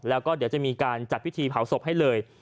แล้วก็เดี๋ยวจะมีการจัดพิธีเผาศพให้เลย